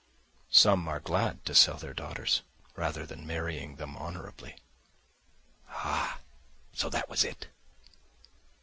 "Some are glad to sell their daughters, rather than marrying them honourably." Ah, so that was it!